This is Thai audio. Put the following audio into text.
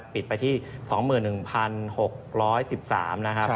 ปิดไปที่๒๑๖๑๓นะครับ